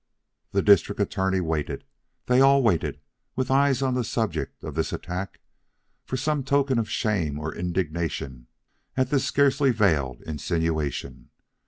The District Attorney waited, they all waited with eyes on the subject of this attack, for some token of shame or indignation at this scarcely veiled insinuation.